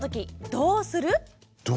どうする。